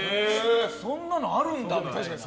そんなのあるんだって。